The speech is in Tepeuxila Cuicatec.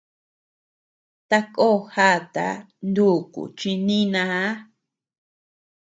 Takó jata nùùku chi nínaa.